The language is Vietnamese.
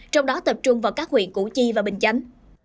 trong đó tập trung vào các huyện củ chi và bình chánh